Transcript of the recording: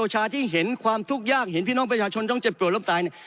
โตชาที่เห็นความทุกข์ยากเห็นพี่น้องประชาชนต้องเจ็บโปรดรอบตาย